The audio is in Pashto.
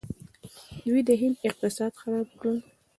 دوی د هند اقتصاد خراب کړ.